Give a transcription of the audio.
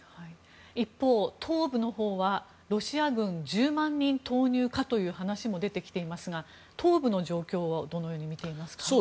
一方、東部のほうはロシア軍１０万人投入かという話も出てきていますが東部の状況はどのように見ていますか。